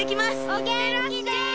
おげんきで！